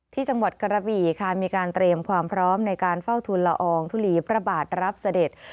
จังหวัดกระบี่ค่ะมีการเตรียมความพร้อมในการเฝ้าทุนละอองทุลีพระบาทรับเสด็จ